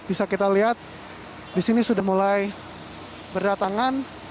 bisa kita lihat di sini sudah mulai berdatangan